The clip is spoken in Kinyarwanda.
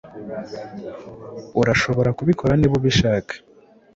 Urashobora kubikora niba ubishaka.